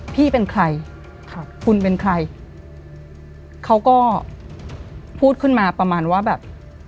พี่เป็นใครครับคุณเป็นใครเขาก็พูดขึ้นมาประมาณว่าแบบ